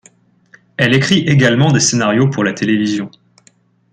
Elle écrit également des scénarios pour la télévision.